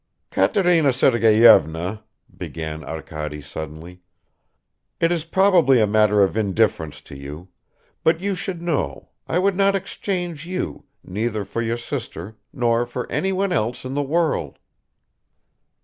"Katerina Sergeyevna," began Arkady suddenly, "it is probably a matter of indifference to you; but you should know, I would not exchange you, neither for your sister, nor for anyone else in the world."